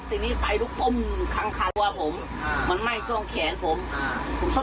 ทีนี้ไฟลุกอุ้มคังคาลัวผมมันไหม้ช่วงแขนผม